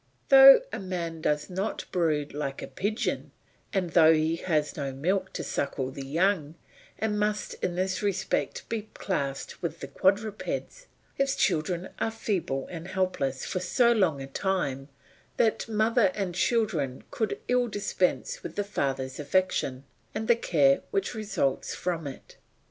Though a man does not brood like a pigeon, and though he has no milk to suckle the young, and must in this respect be classed with the quadrupeds, his children are feeble and helpless for so long a time, that mother and children could ill dispense with the father's affection, and the care which results from it.